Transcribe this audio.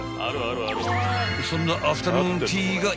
［そんな］